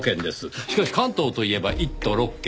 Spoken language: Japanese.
しかし関東といえば１都６県。